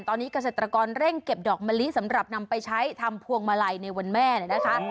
ตอนนี้เกษตรกรเร่งเก็บดอกมะลิสำหรับนำไปใช้ทำพวงมาลัยในวันแม่เนี่ยนะคะ